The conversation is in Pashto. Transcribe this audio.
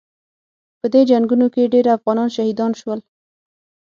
په دې جنګونو کې ډېر افغانان شهیدان شول.